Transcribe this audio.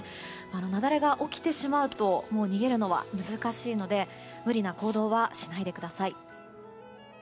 雪崩が起きてしまうともう逃げるのは難しいので無理な行動はしないでください。